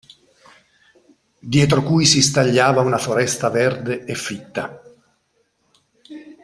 Dietro cui si stagliava una foresta verde e fitta.